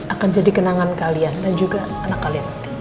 akan jadi kenangan kalian dan juga anak kalian